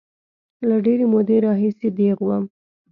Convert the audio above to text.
له ډېرې مودې راهیسې دیغ وم.